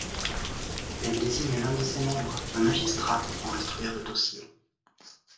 Elle désigne l'un de ses membres, un magistrat, pour instruire le dossier.